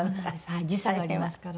時差がありますからね。